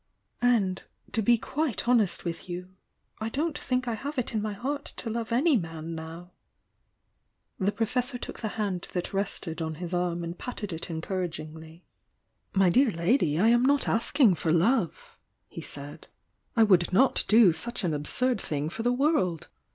And, — to be quite honest with you — I don't think I have it in my heart to love any man now!" The Professor took the hand that rested on his arm and patted it encouragingly. THE YOUNG DIANA 228 "My dear lady, I am not asking for love!" he said. "I would not do such an absurd thing for the world!